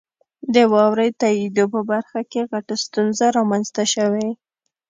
د واورئ تائیدو په برخه کې غټه ستونزه رامنځته شوي.